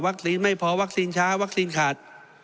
วัคซีนไม่พอวัคซีนช้าวัคซีนขาด